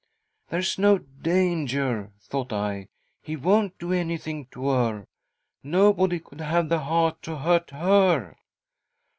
' There's no danger,' thought I, ' he won't do anything to her. Nobody could have the heart to hurt her.''